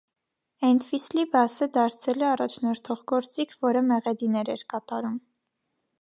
Էնթվիսլի բասը դարձել է առաջնորդող գործիք, որը մեղեդիներ էր կատարում։